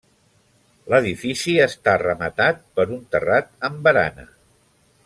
L'edifici està rematat per un terrat amb barana.